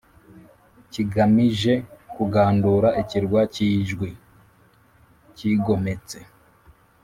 kigamije kugandura ikirwa cyi jwi kigometse.